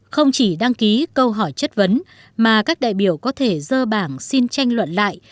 không chỉ đăng ký câu hỏi chất vấn mà các đại biểu có thể dơ bảng xin tranh luận lại